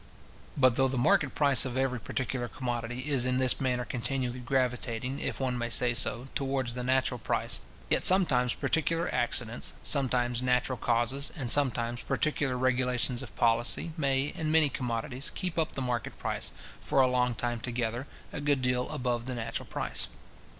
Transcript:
But though the market price of every particular commodity is in this manner continually gravitating, if one may say so, towards the natural price; yet sometimes particular accidents, sometimes natural causes, and sometimes particular regulations of policy, may, in many commodities, keep up the market price, for a long time together, a good deal above the natural price.